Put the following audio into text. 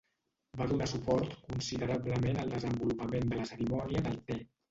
Va donar suport considerablement el desenvolupament de la cerimònia del te.